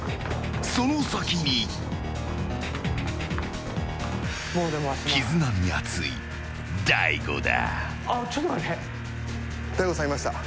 その先に絆に熱い、大悟だ。